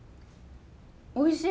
おいしい。